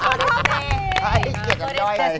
ใช่เกียรติกับน้ำย่อยเลย